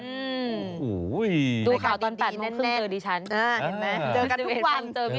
ดูข่าวตอนนี้แน่